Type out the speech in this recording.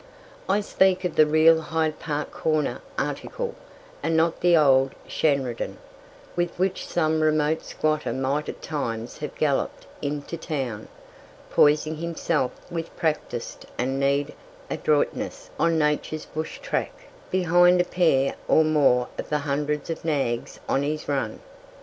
I speak of the real Hyde Park Corner article, and not the old "shandrydan" with which some remote squatter might at times have galloped into town, poising himself with practised and needed adroitness on nature's bush track, behind a pair or more of the hundreds of nags on his run.